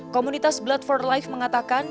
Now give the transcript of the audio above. komunitas blood for life mengatakan